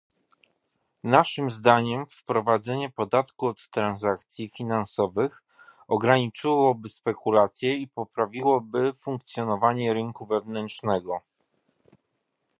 Naszym zdaniem wprowadzenie podatku od transakcji finansowych ograniczyłoby spekulacje i poprawiło funkcjonowanie rynku wewnętrznego